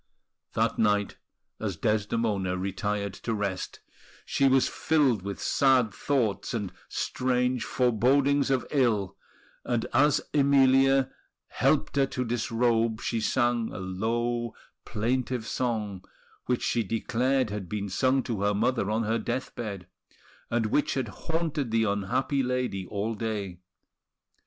That night, as Desdemona retired to rest, she was filled with sad thoughts and strange forebodings of ill; and as Emilia helped her to disrobe, she sang a low, plaintive song, which she declared had been sung to her mother on her death bed, and which had haunted the unhappy lady all day.